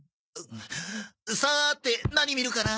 さて何見るかな。